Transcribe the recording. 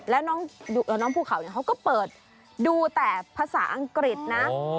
แล้วน้องภูเขาเขาก็เปิดดูแต่ภาษาอังกฤษนะ